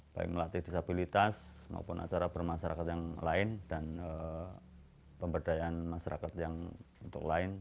baik melatih disabilitas maupun acara bermasyarakat yang lain dan pemberdayaan masyarakat yang untuk lain